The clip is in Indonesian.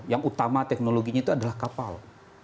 yang utama teknologinya itu adalah kapal